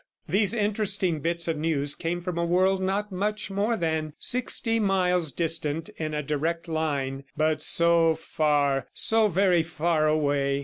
These interesting bits of news came from a world not much more than sixty miles distant in a direct line ... but so far, so very far away!